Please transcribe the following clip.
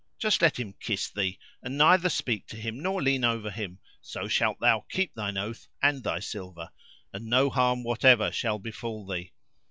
just let him kiss thee and neither speak to him nor lean over him, so shalt thou keep thine oath and thy silver, and no harm whatever shall befal thee."